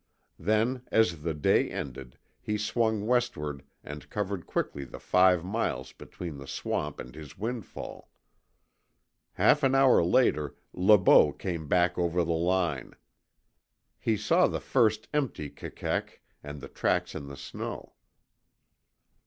Then, as the day ended, he swung westward and covered quickly the five miles between the swamp and his windfall. Half an hour later Le Beau came back over the line. He saw the first empty KEKEK, and the tracks in the snow.